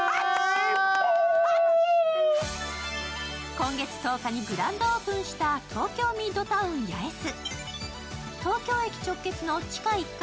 今月１０日にグランドオープンした東京ミッドタウン八重洲。